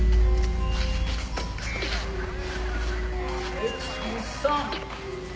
１２３！